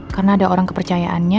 karena ada orang kepercayaannya